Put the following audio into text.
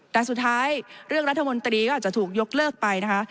แต่สุดท้ายเรื่องรัฐมนตรีก็อาจจะถูกยกเลิกไปนะคะ